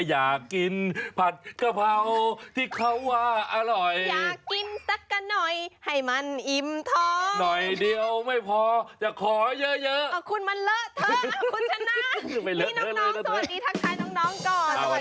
อยากกินส้มสุขและมวลงูดลูกไม้มะเผื้องมะไฟมะปิงมะปัง